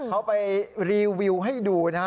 เขาไปรีวิวให้ดูนะฮะ